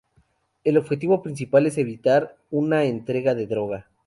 El objetivo principal es evitar una entrega de droga.